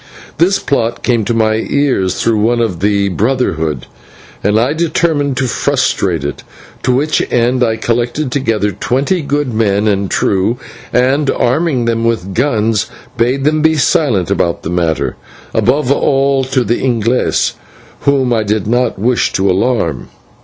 This plot came to my ears through one of the Brotherhood, and I determined to frustrate it, to which end I collected together twenty good men and true, and, arming them with guns, bade them be silent about the matter, above all to the /Inglese/, whom I did not wish to alarm.